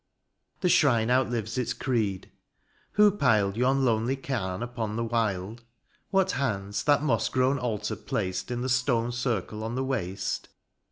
The shrine outlives its creed. Who piled Yon lonely cam upon the wild ? What hands that moss grown altar placed In the stone circle on the waste